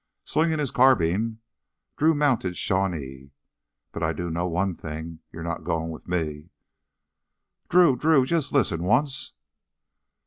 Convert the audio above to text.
Slinging his carbine, Drew mounted Shawnee. "But I do know one thing you're not goin' with me." "Drew Drew, just listen once...."